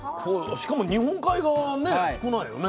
しかも日本海側はね少ないよね。